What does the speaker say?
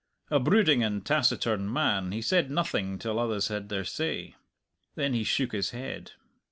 A brooding and taciturn man, he said nothing till others had their say. Then he shook his head.